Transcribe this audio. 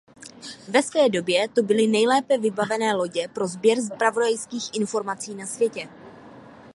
Ve své době to byly nejlépe vybavené lodě pro sběr zpravodajských informací na světě.